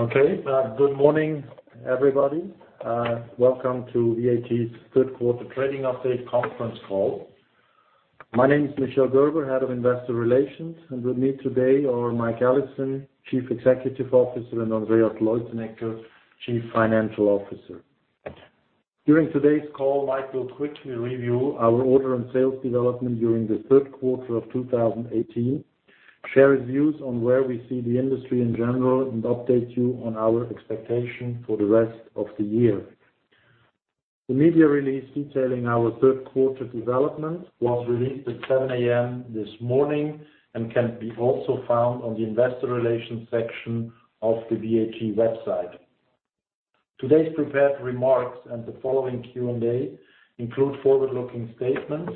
Okay. Good morning, everybody. Welcome to VAT's third quarter trading update conference call. My name is Michel Gerber, Head of Investor Relations, and with me today are Mike Allison, Chief Executive Officer, and Andreas Leutenegger, Chief Financial Officer. During today's call, Mike will quickly review our order and sales development during the third quarter of 2018, share his views on where we see the industry in general, and update you on our expectation for the rest of the year. The media release detailing our third quarter development was released at 7:00 A.M. this morning and can be also found on the investor relations section of the VAT website. Today's prepared remarks and the following Q&A include forward-looking statements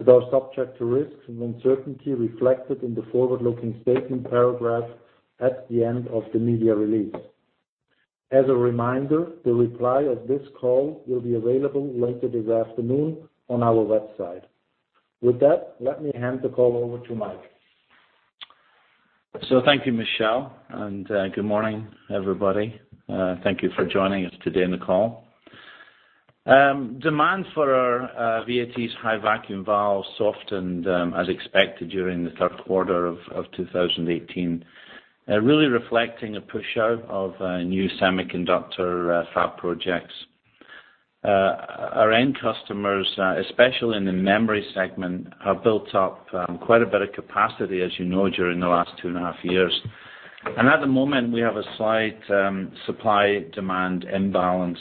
that are subject to risks and uncertainty reflected in the forward-looking statement paragraph at the end of the media release. As a reminder, the reply of this call will be available later this afternoon on our website. With that, let me hand the call over to Mike. Thank you, Michel, and good morning, everybody. Thank you for joining us today on the call. Demand for our VAT's high vacuum valves softened as expected during the third quarter of 2018, really reflecting a push-out of new semiconductor fab projects. Our end customers, especially in the memory segment, have built up quite a bit of capacity, as you know, during the last two and a half years. At the moment, we have a slight supply-demand imbalance.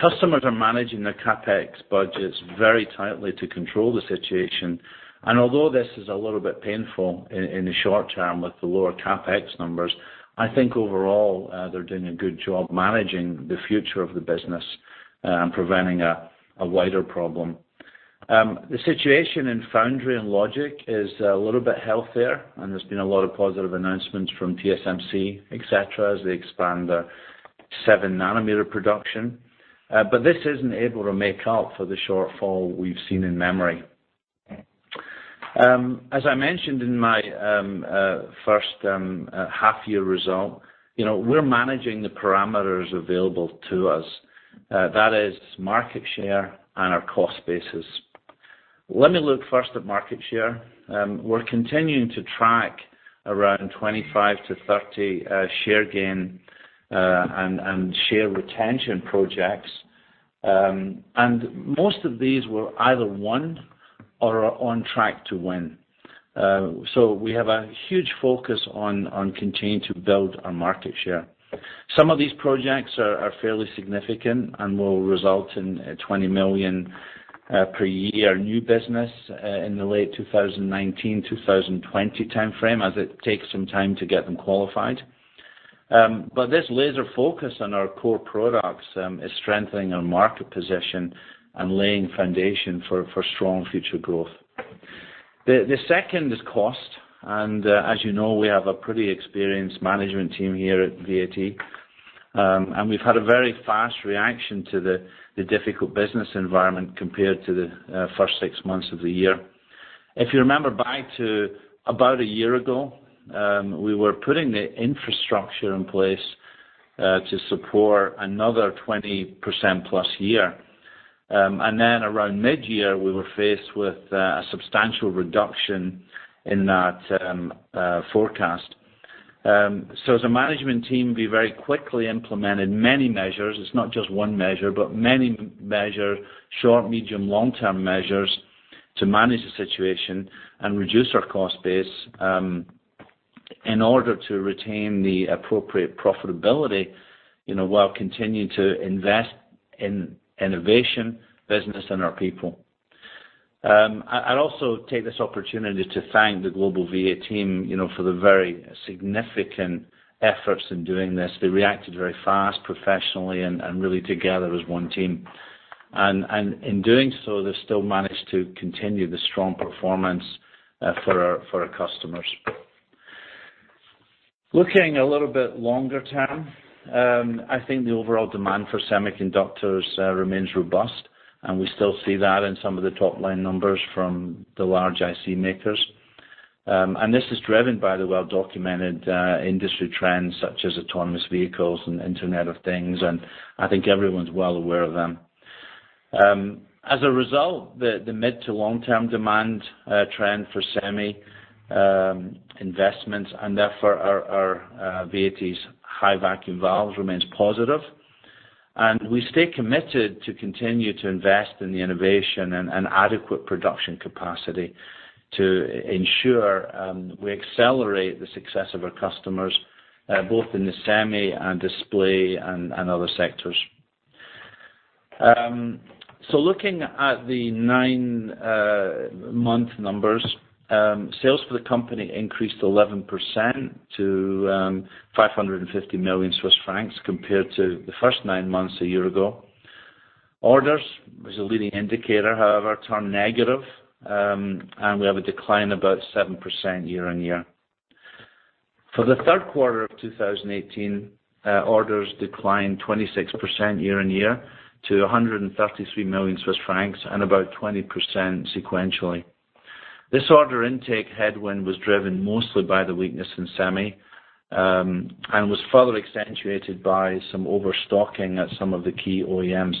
Customers are managing their CapEx budgets very tightly to control the situation, and although this is a little bit painful in the short term with the lower CapEx numbers, I think overall, they're doing a good job managing the future of the business and preventing a wider problem. The situation in foundry and logic is a little bit healthier, there's been a lot of positive announcements from TSMC, et cetera, as they expand their seven-nanometer production. This isn't able to make up for the shortfall we've seen in memory. As I mentioned in my first half year result, we're managing the parameters available to us. That is market share and our cost basis. Let me look first at market share. We're continuing to track around 25-30 share gain and share retention projects, and most of these were either won or are on track to win. We have a huge focus on continuing to build our market share. Some of these projects are fairly significant and will result in 20 million per year new business in the late 2019, 2020 timeframe, as it takes some time to get them qualified. This laser focus on our core products is strengthening our market position and laying foundation for strong future growth. The second is cost, and as you know, we have a pretty experienced management team here at VAT, and we've had a very fast reaction to the difficult business environment compared to the first six months of the year. If you remember back to about a year ago, we were putting the infrastructure in place to support another 20%+ year. Around mid-year, we were faced with a substantial reduction in that forecast. As a management team, we very quickly implemented many measures. It's not just one measure, but many measures short, medium, long-term measures to manage the situation and reduce our cost base in order to retain the appropriate profitability while continuing to invest in innovation, business, and our people. I'd also take this opportunity to thank the global VAT team for the very significant efforts in doing this. They reacted very fast, professionally, and really together as one team. In doing so, they still managed to continue the strong performance for our customers. Looking a little bit longer term, I think the overall demand for semiconductors remains robust, and we still see that in some of the top-line numbers from the large IC makers. This is driven by the well-documented industry trends such as autonomous vehicles and Internet of Things, and I think everyone's well aware of them. As a result, the mid to long-term demand trend for semi investments and, therefore, our VAT's high vacuum valves remains positive, and we stay committed to continue to invest in the innovation and adequate production capacity to ensure we accelerate the success of our customers, both in the semi and display and other sectors. Looking at the nine-month numbers, sales for the company increased 11% to 550 million Swiss francs compared to the first nine months a year ago. Orders as a leading indicator, however, turned negative, and we have a decline about 7% year-on-year. For the third quarter of 2018, orders declined 26% year-on-year to 133 million Swiss francs and about 20% sequentially. This order intake headwind was driven mostly by the weakness in semi, and was further accentuated by some overstocking at some of the key OEMs.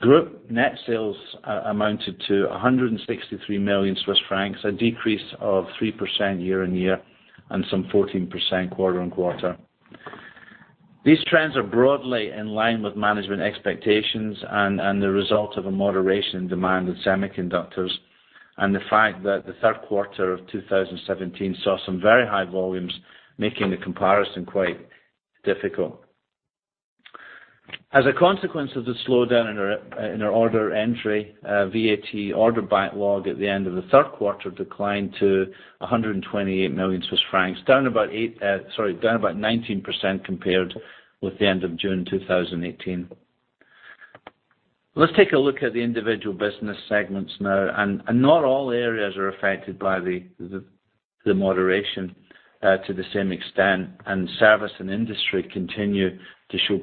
Group net sales amounted to 163 million Swiss francs, a decrease of 3% year-on-year and some 14% quarter-on-quarter. These trends are broadly in line with management expectations and the result of a moderation in demand in semiconductors, and the fact that the third quarter of 2017 saw some very high volumes, making the comparison quite difficult. As a consequence of the slowdown in our order entry, VAT order backlog at the end of the third quarter declined to 128 million Swiss francs, down about 19% compared with the end of June 2018. Let's take a look at the individual business segments now. Not all areas are affected by the moderation to the same extent, and service and industry continue to show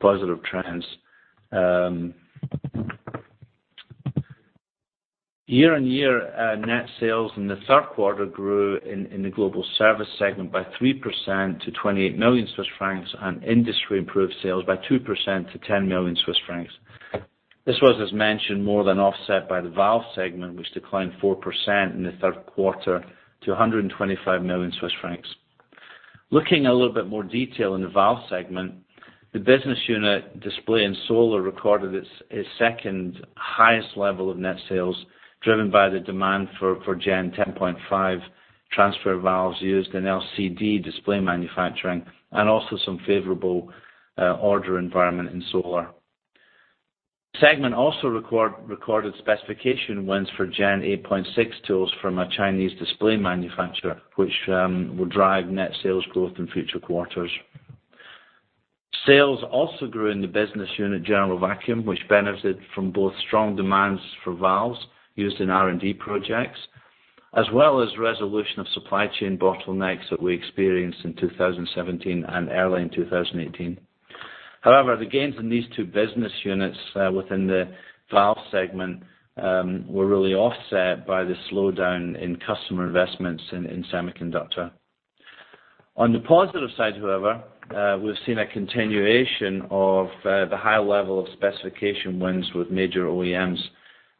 positive trends. Year-on-year net sales in the third quarter grew in the global service segment by 3% to 28 million Swiss francs, and industry improved sales by 2% to 10 million Swiss francs. This was, as mentioned, more than offset by the valve segment, which declined 4% in the third quarter to 125 million Swiss francs. Looking a little bit more detail in the valve segment, the business unit Display & Solar recorded its second highest level of net sales, driven by the demand for Gen 10.5 transfer valves used in LCD display manufacturing, and also some favorable order environment in solar. Segment also recorded specification wins for Gen 8.6 tools from a Chinese display manufacturer, which will drive net sales growth in future quarters. Sales also grew in the business unit General Vacuum, which benefited from both strong demands for valves used in R&D projects, as well as resolution of supply chain bottlenecks that we experienced in 2017 and early in 2018. However, the gains in these two business units within the valve segment were really offset by the slowdown in customer investments in semiconductor. On the positive side, however, we've seen a continuation of the high level of specification wins with major OEMs,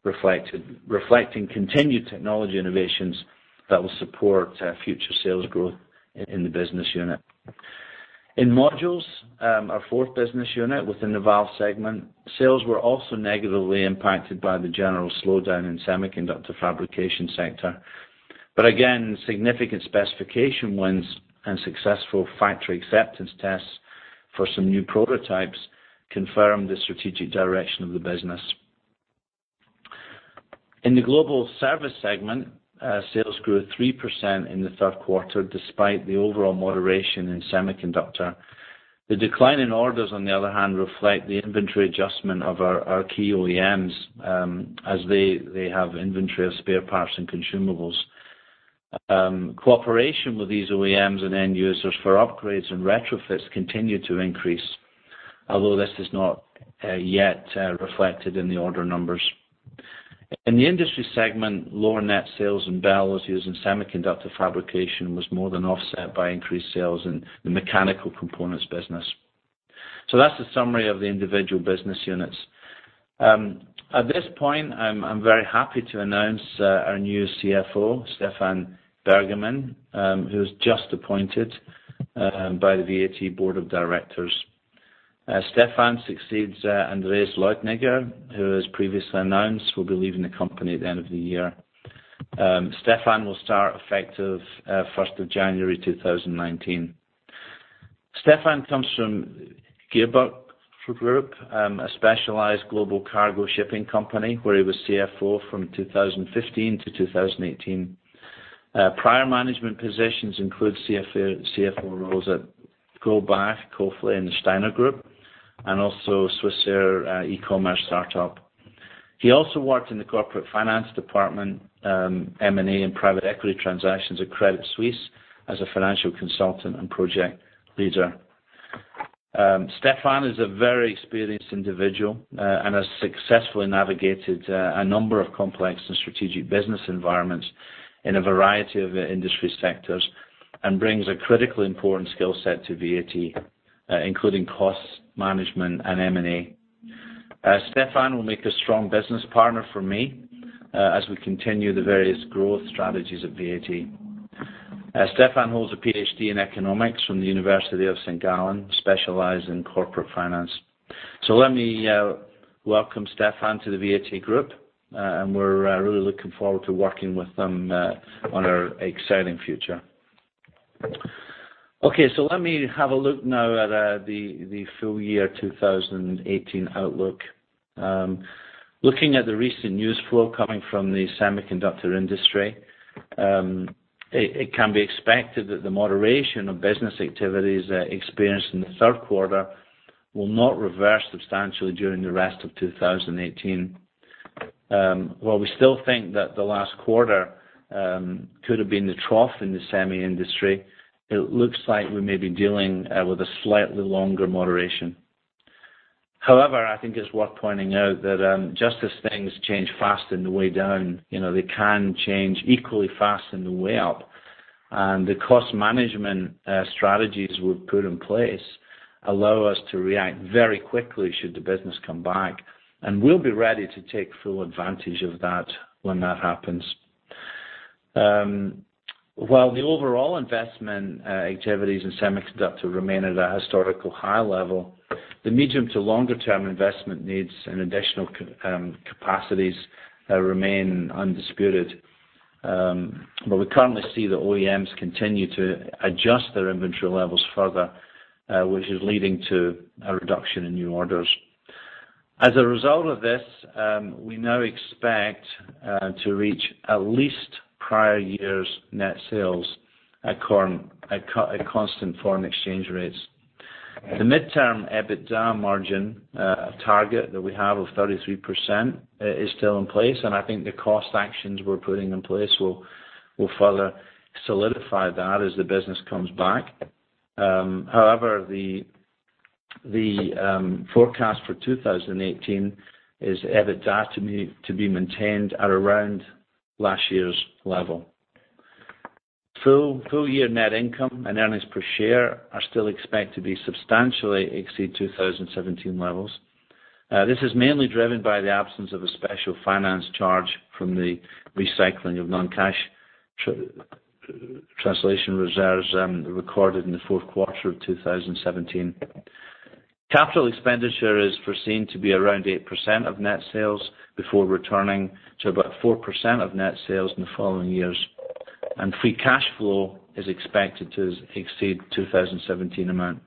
reflecting continued technology innovations that will support future sales growth in the business unit. In modules, our fourth business unit within the valve segment, sales were also negatively impacted by the general slowdown in semiconductor fabrication sector. Again, significant specification wins and successful factory acceptance tests for some new prototypes confirm the strategic direction of the business. In the global service segment, sales grew 3% in the third quarter, despite the overall moderation in semiconductor. The decline in orders, on the other hand, reflect the inventory adjustment of our key OEMs as they have inventory of spare parts and consumables. Cooperation with these OEMs and end users for upgrades and retrofits continue to increase, although this is not yet reflected in the order numbers. In the industry segment, lower net sales in bellows used in semiconductor fabrication was more than offset by increased sales in the mechanical components business. That's the summary of the individual business units. At this point, I'm very happy to announce our new CFO, Stephan Bergamin, who was just appointed by the VAT Board of Directors. Stephan succeeds Andreas Leutenegger, who was previously announced, will be leaving the company at the end of the year. Stefan will start effective 1st of January 2019. Stefan comes from Gustav Klauke GmbH, a specialized global cargo shipping company, where he was CFO from 2015 to 2018. Prior management positions include CFO roles at Goldbach, Cofley and the Steiner Group, and also Swissair, an e-commerce startup. He also worked in the corporate finance department, M&A, and private equity transactions at Credit Suisse as a financial consultant and project leader. Stefan is a very experienced individual and has successfully navigated a number of complex and strategic business environments in a variety of industry sectors and brings a critically important skill set to VAT, including cost management and M&A. Stefan will make a strong business partner for me as we continue the various growth strategies at VAT. Stefan holds a PhD in economics from the University of St. Gallen, specialized in corporate finance. Let me welcome Stephan to the VAT Group, and we're really looking forward to working with him on our exciting future. Let me have a look now at the full year 2018 outlook. Looking at the recent news flow coming from the semiconductor industry, it can be expected that the moderation of business activities experienced in the third quarter will not reverse substantially during the rest of 2018. While we still think that the last quarter could have been the trough in the semi industry, it looks like we may be dealing with a slightly longer moderation. I think it's worth pointing out that just as things change fast on the way down, they can change equally fast on the way up. The cost management strategies we've put in place allow us to react very quickly should the business come back. We'll be ready to take full advantage of that when that happens. While the overall investment activities in semiconductor remain at a historical high level, the medium to longer-term investment needs and additional capacities remain undisputed. We currently see the OEMs continue to adjust their inventory levels further, which is leading to a reduction in new orders. As a result of this, we now expect to reach at least prior year's net sales at constant foreign exchange rates. The midterm EBITDA margin target that we have of 33% is still in place, and I think the cost actions we're putting in place will further solidify that as the business comes back. The forecast for 2018 is EBITDA to be maintained at around last year's level. Full year net income and earnings per share are still expected to substantially exceed 2017 levels. This is mainly driven by the absence of a special finance charge from the recycling of non-cash translation reserves recorded in the fourth quarter of 2017. Capital expenditure is foreseen to be around 8% of net sales before returning to about 4% of net sales in the following years. Free cash flow is expected to exceed 2017 amount.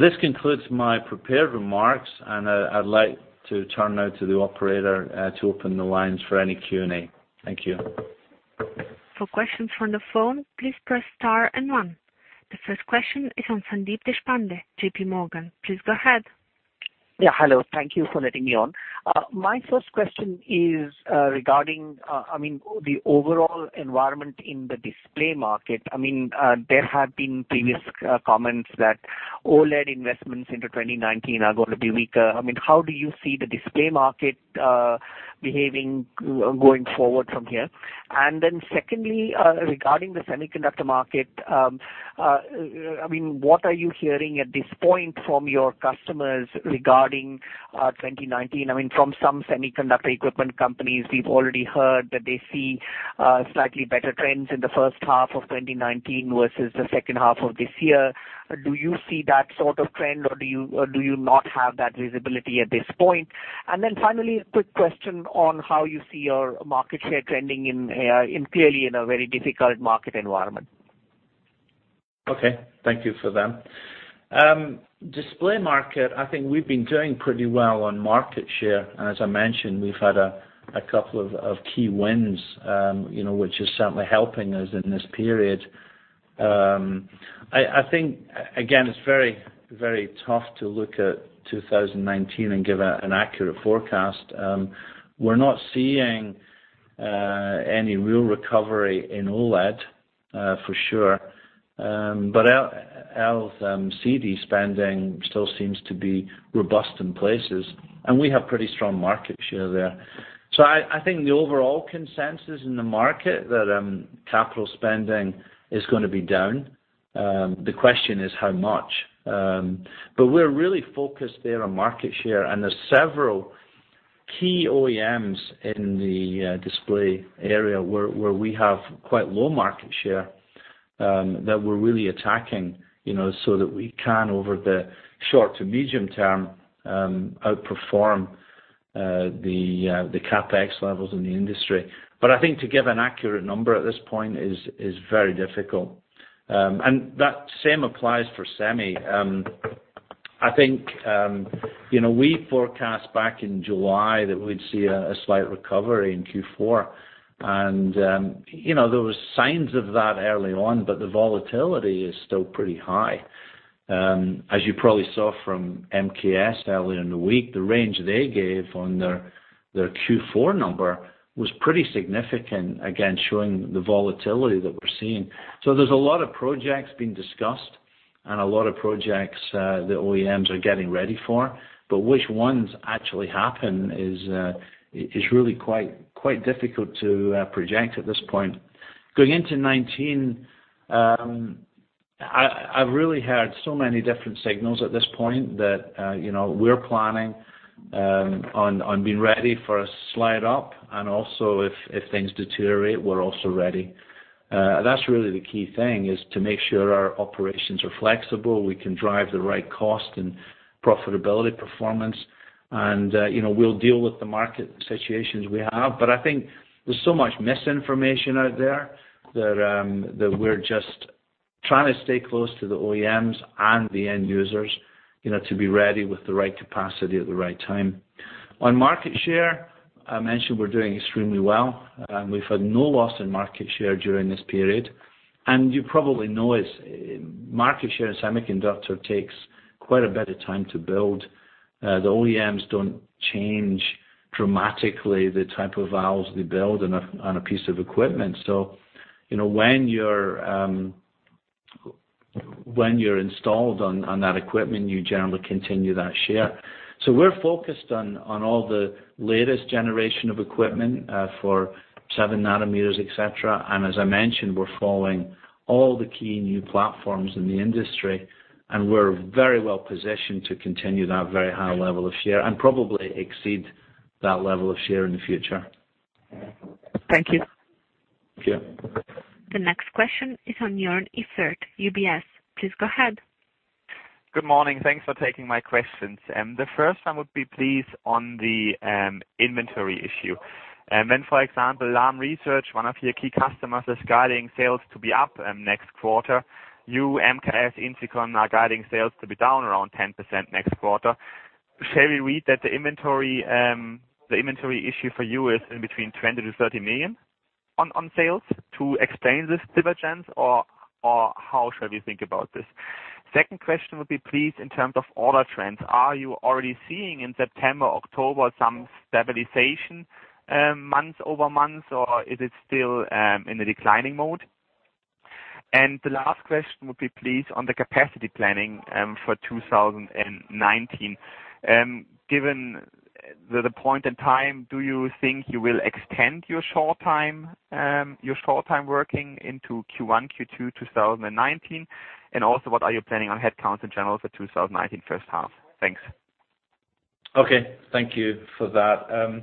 This concludes my prepared remarks, and I'd like to turn now to the operator to open the lines for any Q&A. Thank you. For questions from the phone, please press star and 1. The first question is from Sandeep Deshpande, J.P. Morgan. Please go ahead. Hello. Thank you for letting me on. My first question is regarding the overall environment in the display market. There have been previous comments that OLED investments into 2019 are going to be weaker. How do you see the display market behaving going forward from here? Secondly, regarding the semiconductor market, what are you hearing at this point from your customers regarding 2019? From some semiconductor equipment companies, we've already heard that they see slightly better trends in the first half of 2019 versus the second half of this year. Do you see that sort of trend, or do you not have that visibility at this point? Finally, a quick question on how you see your market share trending in, clearly, a very difficult market environment. Okay, thank you for them. Display market, I think we've been doing pretty well on market share. As I mentioned, we've had a couple of key wins, which is certainly helping us in this period. I think, again, it's very tough to look at 2019 and give an accurate forecast. We're not seeing any real recovery in OLED for sure. LCD spending still seems to be robust in places, and we have pretty strong market share there. I think the overall consensus in the market that capital spending is going to be down. The question is how much. We're really focused there on market share, and there's several key OEMs in the display area where we have quite low market share, that we're really attacking, so that we can, over the short to medium term, outperform the CapEx levels in the industry. I think to give an accurate number at this point is very difficult. That same applies for semi. I think, we forecast back in July that we'd see a slight recovery in Q4. There was signs of that early on, but the volatility is still pretty high. As you probably saw from MKS earlier in the week, the range they gave on their Q4 number was pretty significant, again, showing the volatility that we're seeing. There's a lot of projects being discussed and a lot of projects the OEMs are getting ready for, but which ones actually happen is really quite difficult to project at this point. Going into 2019, I've really heard so many different signals at this point that we're planning on being ready for a slide up, and also if things deteriorate, we're also ready. That's really the key thing, is to make sure our operations are flexible, we can drive the right cost and profitability performance and we'll deal with the market situations we have. I think there's so much misinformation out there that we're just trying to stay close to the OEMs and the end users, to be ready with the right capacity at the right time. On market share, I mentioned we're doing extremely well. We've had no loss in market share during this period, you probably know market share in semiconductor takes quite a bit of time to build. The OEMs don't change dramatically the type of valves they build on a piece of equipment. When you're installed on that equipment, you generally continue that share. We're focused on all the latest generation of equipment, for seven nanometers, et cetera. As I mentioned, we're following all the key new platforms in the industry, and we're very well positioned to continue that very high level of share and probably exceed that level of share in the future. Thank you. Sure. The next question is on the line, UBS, please go ahead. Good morning. Thanks for taking my questions. The first, I would be pleased on the inventory issue. For example, Lam Research, one of your key customers, is guiding sales to be up next quarter. You, MKS, INFICON, are guiding sales to be down around 10% next quarter. Shall we read that the inventory issue for you is in between 20 million to 30 million on sales to explain this divergence, or how should we think about this? Second question would be, please, in terms of order trends, are you already seeing in September, October some stabilization, month-over-month, or is it still in the declining mode? The last question would be, please, on the capacity planning, for 2019. Given the point in time, do you think you will extend your short time working into Q1, Q2 2019? What are you planning on headcount in general for 2019 first half? Thanks. Okay. Thank you for that.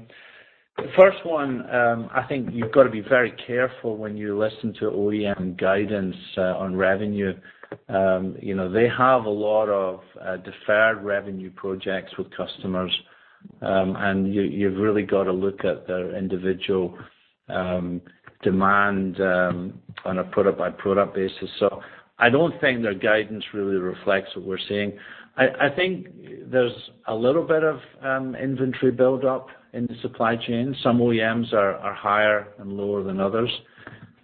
The first one, I think you've got to be very careful when you listen to OEM guidance on revenue. They have a lot of deferred revenue projects with customers. You've really got to look at their individual demand on a product-by-product basis. I don't think their guidance really reflects what we're seeing. I think there's a little bit of inventory build-up in the supply chain. Some OEMs are higher and lower than others.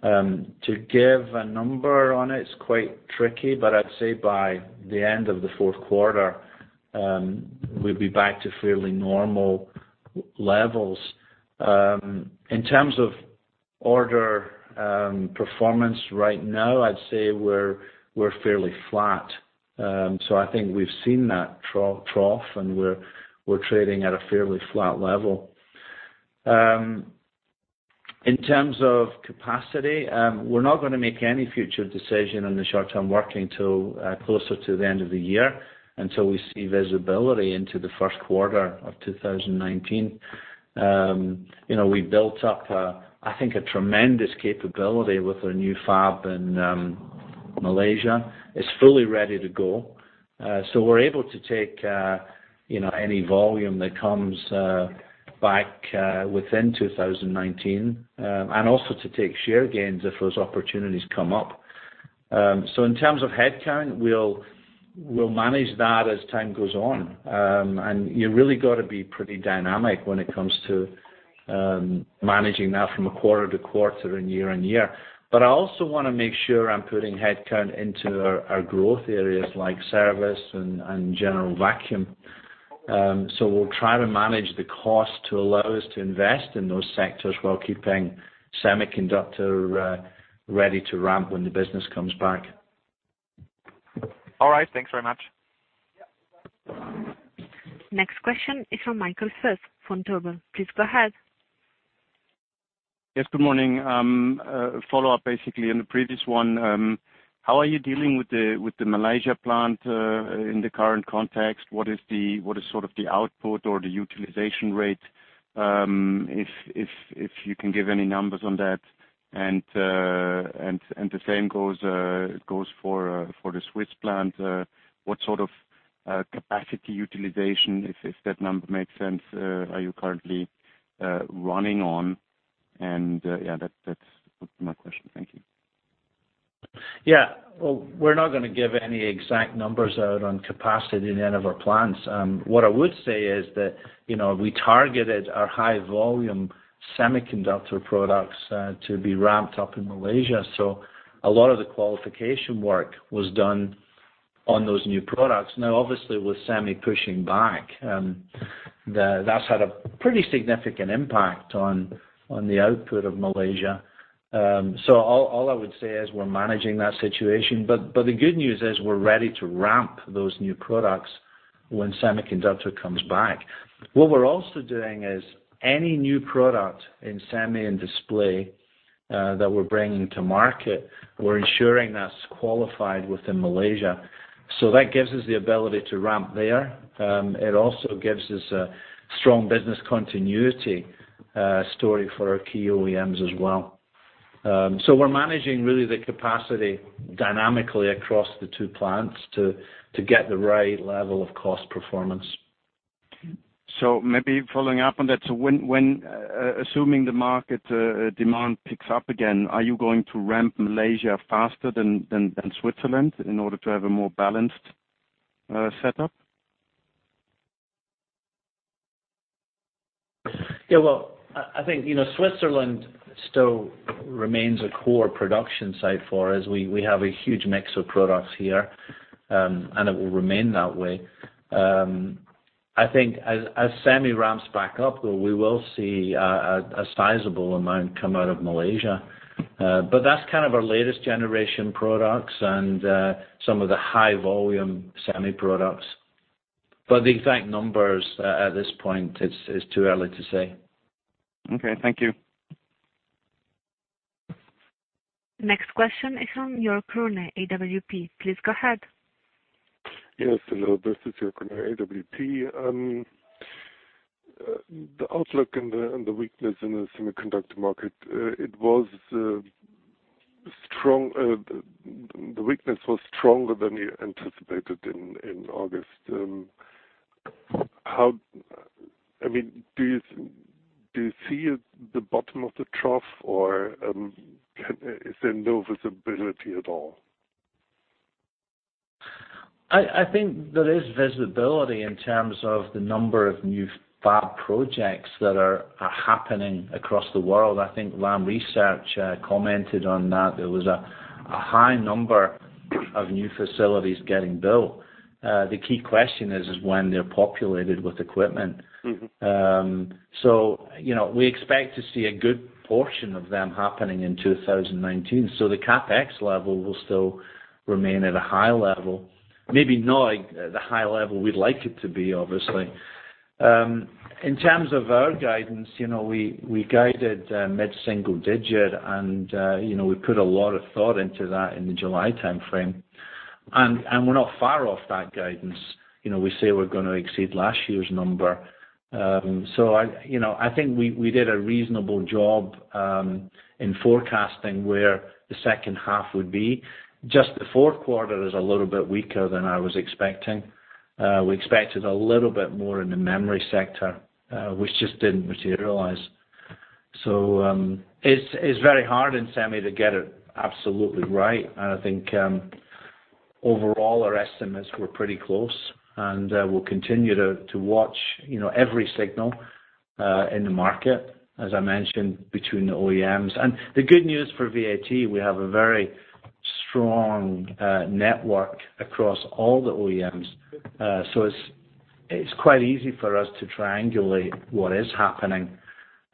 To give a number on it is quite tricky, but I'd say by the end of the fourth quarter, we'll be back to fairly normal levels. In terms of order performance right now, I'd say we're fairly flat. I think we've seen that trough, and we're trading at a fairly flat level. In terms of capacity, we're not going to make any future decision on the short-term working till closer to the end of the year, until we see visibility into the first quarter of 2019. We built up, I think, a tremendous capability with our new fab in Malaysia. It's fully ready to go. We're able to take any volume that comes back within 2019. Also to take share gains if those opportunities come up. In terms of headcount, we'll manage that as time goes on. You really got to be pretty dynamic when it comes to managing that from quarter to quarter and year on year. I also want to make sure I'm putting headcount into our growth areas like service and General Vacuum. We'll try to manage the cost to allow us to invest in those sectors while keeping semiconductor ready to ramp when the business comes back. All right. Thanks very much. Next question is from Michael Foeth from Vontobel. Please go ahead. Yes, good morning. Follow-up, basically, on the previous one. How are you dealing with the Malaysia plant in the current context? What is the output or the utilization rate? If you can give any numbers on that. The same goes for the Swiss plant. What sort of capacity utilization, if that number makes sense, are you currently running on? That's my question. Thank you. Well, we're not going to give any exact numbers out on capacity in any of our plants. What I would say is that we targeted our high-volume semiconductor products to be ramped up in Malaysia. A lot of the qualification work was done on those new products. Now, obviously, with semi pushing back, that's had a pretty significant impact on the output of Malaysia. All I would say is we're managing that situation, but the good news is we're ready to ramp those new products when semiconductor comes back. What we're also doing is any new product in semi and display that we're bringing to market, we're ensuring that's qualified within Malaysia. That gives us the ability to ramp there. It also gives us a strong business continuity story for our key OEMs as well. We're managing really the capacity dynamically across the two plants to get the right level of cost performance. Maybe following up on that. When assuming the market demand picks up again, are you going to ramp Malaysia faster than Switzerland in order to have a more balanced setup? Yeah, well, I think Switzerland still remains a core production site for us. We have a huge mix of products here, and it will remain that way. I think as semi ramps back up, though, we will see a sizable amount come out of Malaysia. That's kind of our latest generation products and some of the high-volume semi products. The exact numbers at this point, it's too early to say. Okay, thank you. Next question is from Jürg Kroner, AWP. Please go ahead. Yes, hello. This is Jürg Kroner, AWP. The outlook and the weakness in the semiconductor market, the weakness was stronger than you anticipated in August. Do you see the bottom of the trough, or is there no visibility at all? I think there is visibility in terms of the number of new fab projects that are happening across the world. I think Lam Research commented on that. There was a high number of new facilities getting built. The key question is when they're populated with equipment. We expect to see a good portion of them happening in 2019. The CapEx level will still remain at a high level. Maybe not the high level we'd like it to be, obviously. In terms of our guidance, we guided mid-single digit, we put a lot of thought into that in the July timeframe. We're not far off that guidance. We say we're going to exceed last year's number. I think we did a reasonable job in forecasting where the second half would be. Just the fourth quarter is a little bit weaker than I was expecting. We expected a little bit more in the memory sector, which just didn't materialize. It's very hard in semi to get it absolutely right. I think overall, our estimates were pretty close, and we'll continue to watch every signal in the market, as I mentioned, between the OEMs. The good news for VAT, we have a very strong network across all the OEMs. It's quite easy for us to triangulate what is happening.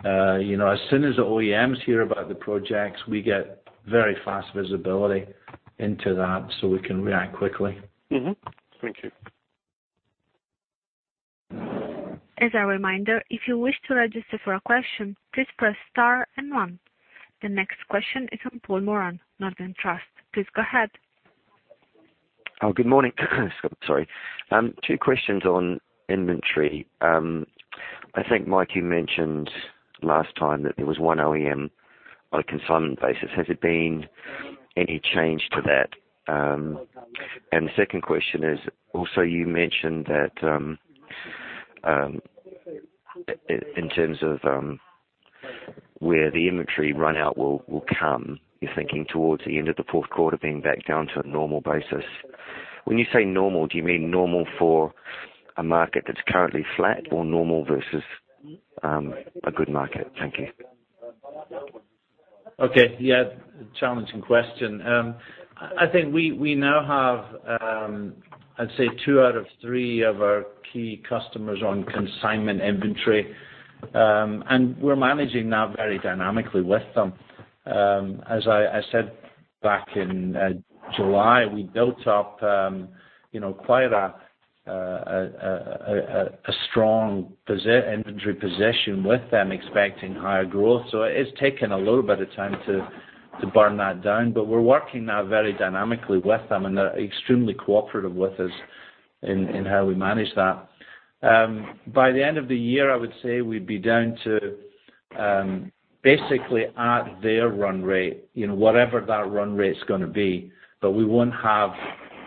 As soon as the OEMs hear about the projects, we get very fast visibility into that, so we can react quickly. Mm-hmm. Thank you. As a reminder, if you wish to register for a question, please press star and one. The next question is from Paul Moran, Northern Trust. Please go ahead. Good morning. Sorry. Two questions on inventory. I think, Mike, you mentioned last time that there was one OEM on a consignment basis. Has there been any change to that? The second question is, also you mentioned that in terms of where the inventory run out will come, you're thinking towards the end of the fourth quarter being back down to a normal basis. When you say normal, do you mean normal for a market that's currently flat or normal versus a good market? Thank you. Okay. Yeah. Challenging question. I think we now have, I'd say, two out of three of our key customers on consignment inventory, and we're managing now very dynamically with them. As I said back in July, we built up quite a strong inventory position with them expecting higher growth. It is taking a little bit of time to burn that down, but we're working now very dynamically with them, and they're extremely cooperative with us in how we manage that. By the end of the year, I would say we'd be down to basically at their run rate, whatever that run rate's going to be. We won't have,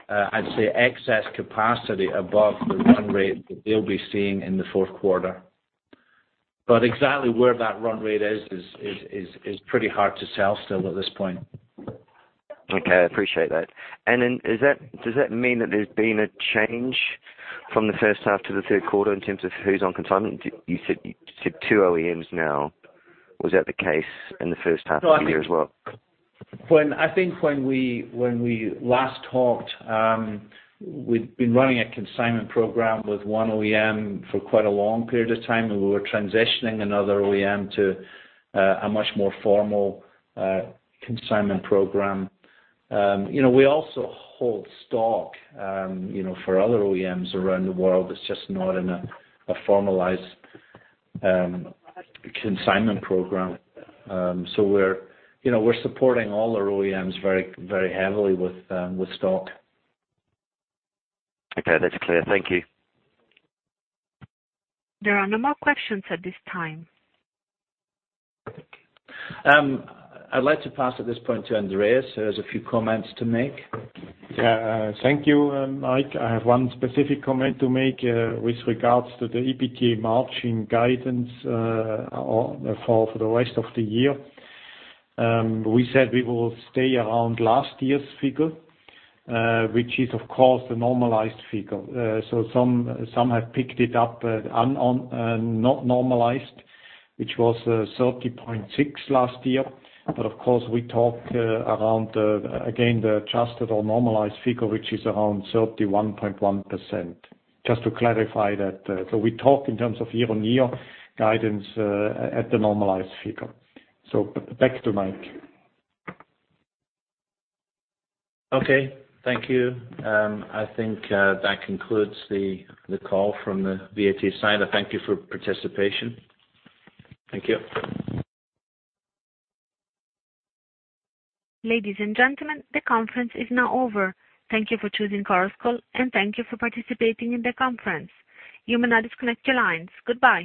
I'd say, excess capacity above the run rate that they'll be seeing in the fourth quarter. Exactly where that run rate is pretty hard to tell still at this point. Okay, I appreciate that. Does that mean that there's been a change from the first half to the third quarter in terms of who's on consignment? You said 2 OEMs now. Was that the case in the first half of the year as well? I think when we last talked, we'd been running a consignment program with 1 OEM for quite a long period of time, and we were transitioning another OEM to a much more formal consignment program. We also hold stock for other OEMs around the world. It's just not in a formalized consignment program. We're supporting all our OEMs very heavily with stock. Okay, that's clear. Thank you. There are no more questions at this time. I'd like to pass at this point to Andreas, who has a few comments to make. Thank you, Mike. I have one specific comment to make with regards to the EBITDA margin guidance for the rest of the year. We said we will stay around last year's figure, which is, of course, the normalized figure. Some have picked it up not normalized, which was 30.6% last year. But of course, we talked around, again, the adjusted or normalized figure, which is around 31.1%. Just to clarify that. We talk in terms of year-on-year guidance at the normalized figure. Back to Mike. Thank you. I think that concludes the call from the VAT side. I thank you for participation. Thank you. Ladies and gentlemen, the conference is now over. Thank you for choosing Chorus Call, and thank you for participating in the conference. You may now disconnect your lines. Goodbye.